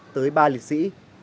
tới ba liệt sĩ